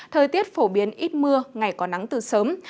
thời tiết phổ biến ít mưa ngày có nắng từ sớm